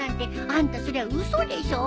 あんたそりゃ嘘でしょ！？